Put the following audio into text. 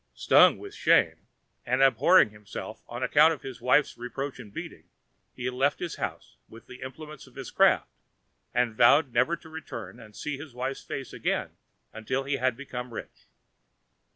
Stung with shame, and abhorring himself on account of his wife's reproach and beating, he left his house, with the implements of his craft, and vowed never to return and see his wife's face again till he had become rich.